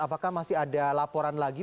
apakah masih ada laporan lagi